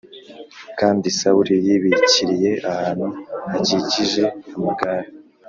Kandi Sawuli yibīkiriye ahantu hakikije amagare